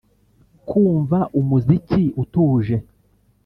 Kumva umuziki utuje